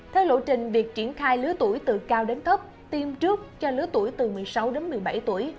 theo lộ trình việc triển khai lứa tuổi từ cao đến thấp tiêm trước cho lứa tuổi từ một mươi sáu đến một mươi bảy tuổi